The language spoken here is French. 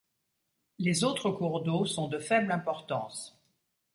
Les autres cours d'eau sont de faible importance.